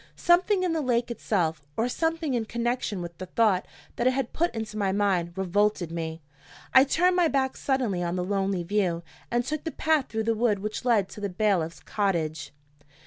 Something in the lake itself, or something in connection with the thought that it had put into my mind, revolted me. I turned my back suddenly on the lonely view, and took the path through the wood which led to the bailiff's cottage.